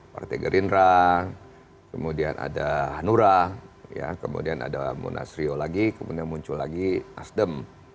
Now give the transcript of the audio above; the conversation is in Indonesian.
partai gerindra kemudian ada hanura kemudian ada munas rio lagi kemudian muncul lagi nasdem